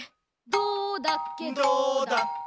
どうだっけ？